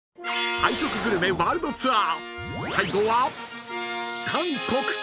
背徳グルメワールドツアー